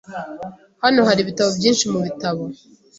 Hano hari ibitabo byinshi mubitabo.